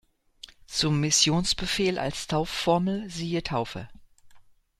Zum Missionsbefehl als Taufformel siehe Taufe.